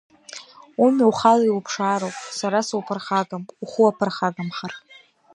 Умҩа ухала иуԥшаароуп, сара суԥырхагам, ухы уаԥырхагамхар.